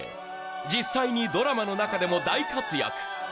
実際にドラマの中でも大活躍